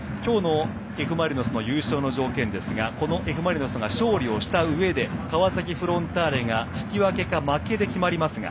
Ｆ・マリノスの優勝の条件ですがＦ・マリノスが勝利したうえで川崎フロンターレが引き分けか負けで決まります。